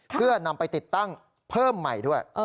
เพื่อนำไปติดตั้งเพิ่มใหม่ด้วย